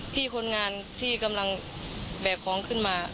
พี่คนงานที่กำลังแบกของขึ้นมา